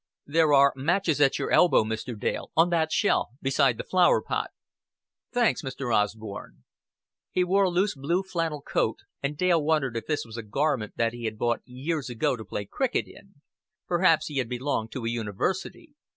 "There are matches at your elbow, Mr. Dale on that shelf beside the flower pot." "Thanks, Mr. Osborn." He wore a loose blue flannel coat, and Dale wondered if this was a garment that he had bought years ago to play cricket in. Perhaps he had belonged to a University.